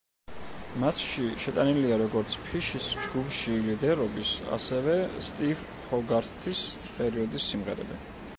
მასში შეტანილია როგორც ფიშის ჯგუფში ლიდერობის, ასევე სტივ ჰოგართის პერიოდის სიმღერები.